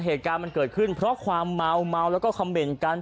เหตุการณ์มันเกิดขึ้นเพราะความเมาเมาแล้วก็คำเหม็นกัน